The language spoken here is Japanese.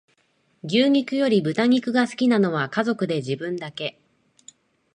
牛肉より豚肉が好きなのは家族で自分だけ